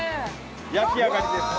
焼き上がりです。